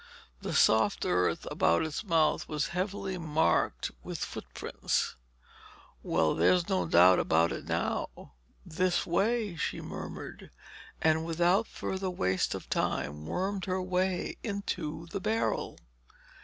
The soft earth about its mouth was heavily marked with footprints. "Well, there's no doubt about it now—'this way'—" she murmured and without further waste of time wormed her way into the barrel.